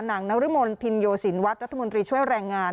นางนรมนภิโยศินวัฒน์รัฐมนตรีช่วยแรงงาน